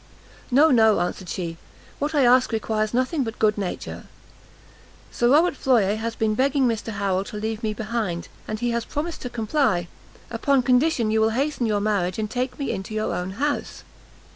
"No, no," answered she, "What I ask requires nothing but good nature; Sir Robert Floyer has been begging Mr Harrel to leave me behind, and he has promised to comply, upon condition you will hasten your marriage, and take me into your own house."